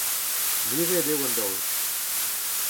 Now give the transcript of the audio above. Miret eo an daol.